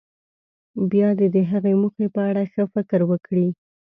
بیا دې د هغې موخې په اړه ښه فکر وکړي.